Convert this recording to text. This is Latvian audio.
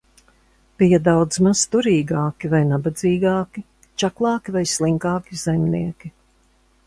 Bija daudzmaz turīgāki vai nabadzīgāki, čaklāki vai slinkāki zemnieki.